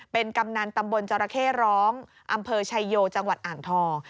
เป็นกำนันตำบลจรเข้ร้องอำเภอชายโยจังหวัดอ่างทอง